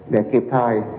để kịp thời